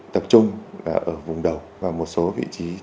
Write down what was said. tập trung ở vùng đầu mặt cổ của bà gốt